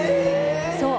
そう。